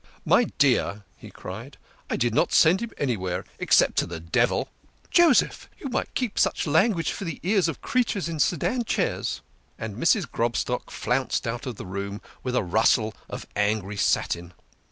"My dear," he cried, "I did not send him anywhere except to the devil." "Joseph ! You might keep such language for the ears of creatures in sedan chairs." And Mrs. Grobstock flounced out of the room with a rustle of angry satin.